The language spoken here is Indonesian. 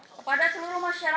seperti itu terima kasih